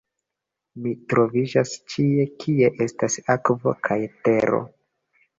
"Mi troviĝas ĉie kie estas akvo kaj tero."